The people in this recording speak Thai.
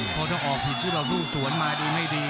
เพราะถ้าออกผิดที่เราสู้สวนมาดีไม่ดี